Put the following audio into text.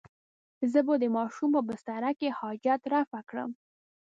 زه به د ماشوم په بستره کې حاجت رفع کړم.